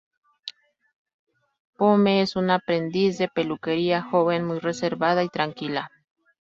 Pomme es una aprendiz de peluquería, joven muy reservada y tranquila.